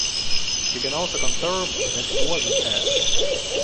She can also confirm that it wasn't Hess.